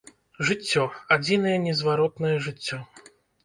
Жыццё, адзінае незваротнае жыццё.